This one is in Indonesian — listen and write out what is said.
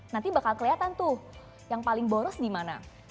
nanti bakal kelihatan tuh yang paling boros di mana